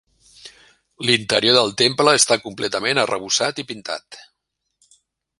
L'interior del temple està completament arrebossat i pintat.